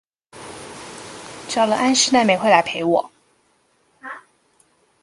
找了安室奈美惠來陪我